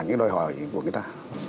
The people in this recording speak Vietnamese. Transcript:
những đòi hỏi của người ta